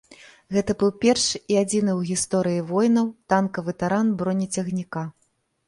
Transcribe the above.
Гэта быў першы і адзіны ў гісторыі войнаў танкавы таран бронецягніка.